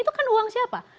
itu kan uang siapa